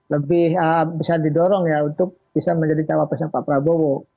lebih bisa didorong ya untuk bisa menjadi cawapresnya pak prabowo